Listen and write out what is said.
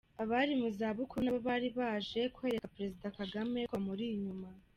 Abari mu zabukuru nabo bari baje kwereka Perezida Kagame ko bamuri inyuma.